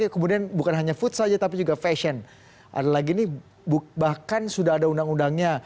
kemudian bukan hanya food saja tapi juga fashion ada lagi ini bahkan sudah ada undang undangnya